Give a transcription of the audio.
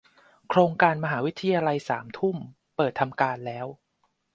โครงการมหาวิทยาลัยสามทุ่ม เปิดทำการแล้ว